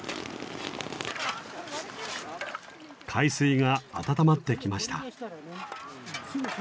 海水が温まってきました。